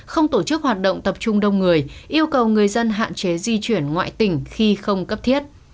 không tổ chức hoạt động tập trung đông người yêu cầu người dân hạn chế di chuyển ngoại tỉnh khi không cấp thiết